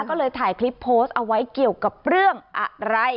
ก็เลยถ่ายคลิปโพสต์เอาไว้เกี่ยวกับเรื่องอะไร